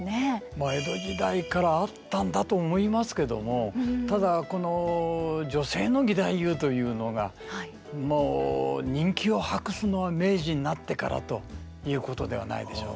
まあ江戸時代からあったんだと思いますけどもただこの女性の義太夫というのがもう人気を博すのは明治になってからということではないでしょうかね。